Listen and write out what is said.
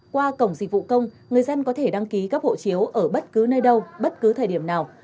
qua cổng dịch vụ công người dân có thể đăng ký cấp hộ chiếu ở bất cứ nơi đâu bất cứ thời điểm nào